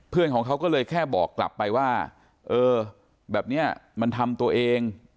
เพื่อนของเขาก็เลยแค่บอกกลับไปว่าเออแบบนี้มันทำตัวเอง